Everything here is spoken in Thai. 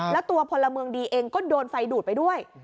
แล้วตัวพลเมืองดีเองก็โดนไฟดูดไปด้วย